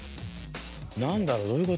何だろうどういうことやろう。